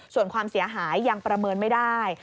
ส่วนความเสียหายยังประเมินไม่ได้